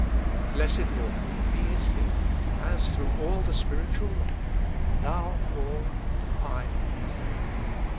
Blessed Lord ! be it here, as through all the spiritual life : Thou all, I nothing.